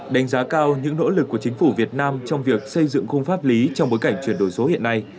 đánh giá cao những nỗ lực của chính phủ việt nam trong việc xây dựng khung pháp lý trong bối cảnh chuyển đổi số hiện nay